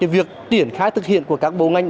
việc triển khai thực hiện của các bộ ngành